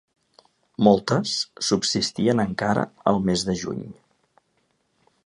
Moltes subsistien encara el mes de juny.